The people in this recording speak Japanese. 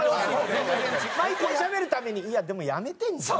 毎回しゃべる度にいやでも辞めてんじゃん。